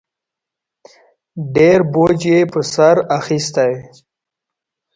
ډېر بوج یې په سر اخیستی